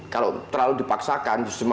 kalau terlalu dipaksakan